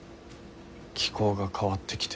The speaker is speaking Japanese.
気候が変わってきてる。